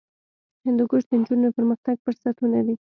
هندوکش د نجونو د پرمختګ فرصتونه دي.